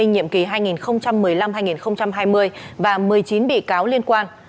nhiệm kỳ hai nghìn một mươi năm hai nghìn hai mươi và một mươi chín bị cáo liên quan